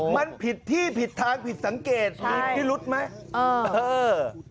มันผิดที่ผิดทางผิดสังเกตใช่นี่รุดไหมเออเออ